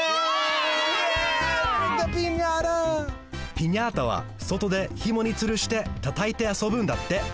ピニャータはそとでひもにつるしてたたいてあそぶんだって。